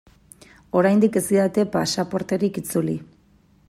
Oraindik ez didate pasaporterik itzuli.